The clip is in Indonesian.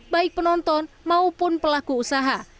baik penonton maupun pelaku usaha